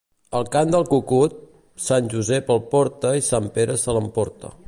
El cant del cucut, Sant Josep el porta i Sant Pere se l'emporta.